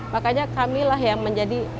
makanya kamilah yang menjadi